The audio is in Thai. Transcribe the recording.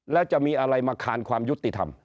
แล้วจะมีอะไรมาคานความยุติธรรม